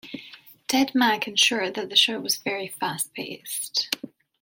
Ted Mack ensured that the show was very fast-paced.